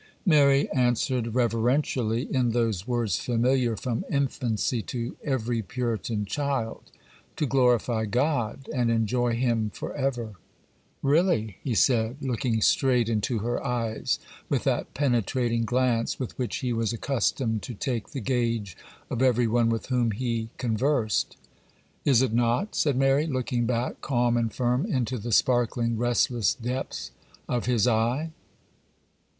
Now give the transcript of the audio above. Mary answered reverentially, in those words familiar from infancy to every Puritan child, 'To glorify God, and enjoy Him for ever.' 'Really?' he said, looking straight into her eyes with that penetrating glance with which he was accustomed to take the gauge of every one with whom he conversed. 'Is it not?' said Mary, looking back, calm and firm, into the sparkling, restless depths of his eye.